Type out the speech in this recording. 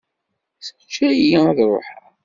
Teǧǧa-iyi ad ṛuḥeɣ.